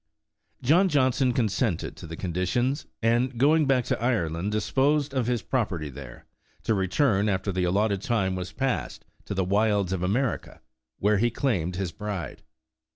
John Johnson consented to the conditions, and going back to Ireland, disposed of his property there, to re turn after the allotted time was past, to the wilds of America, where he claimed his bride.